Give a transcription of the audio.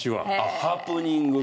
ハプニングが。